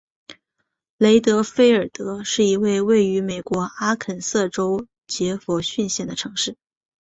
雷德菲尔德是一个位于美国阿肯色州杰佛逊县的城市。